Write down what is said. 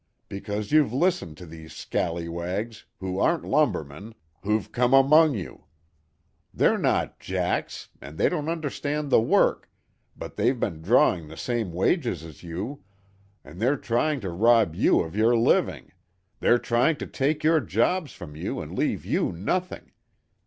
Because you've listened to these scallywags, who aren't lumbermen, who've come among you. They're not 'jacks' and they don't understand the work, but they've been drawing the same wages as you, and they're trying to rob you of your living, they're trying to take your jobs from you and leave you nothing.